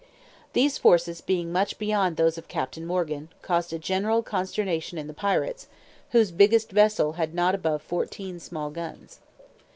These forces being much beyond those of Captain Morgan, caused a general consternation in the pirates, whose biggest vessel had not above fourteen small guns.